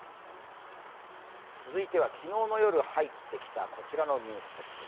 続いては昨日の夜入ってきたこちらのニュースです。